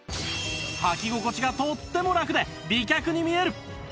はき心地がとってもラクで美脚に見える！